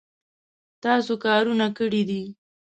تاسو کارونه کړي دي